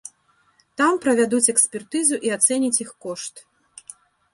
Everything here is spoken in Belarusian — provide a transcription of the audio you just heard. Там правядуць экспертызу і ацэняць іх кошт.